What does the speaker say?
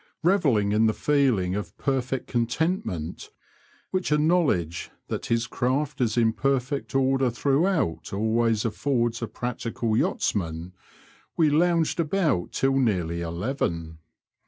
Bevelling in the feeling of perfect contentment which a knowledge that his craft is in perfect order throughout always affords a practical yachtsman, we lounged about till nearly eleven.